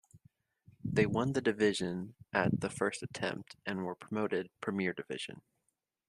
They won the division at the first attempt and were promoted Premier Division.